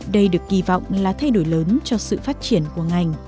đây được kỳ vọng là thay đổi lớn cho sự phát triển của ngành